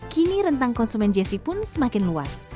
kini rentang konsumen jessey pun semakin luas